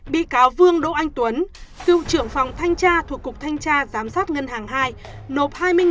bị cáo vương đỗ anh tuấn cựu trưởng phòng thanh tra thuộc cục thanh tra giám sát ngân hàng hai nộp hai mươi tỷ đồng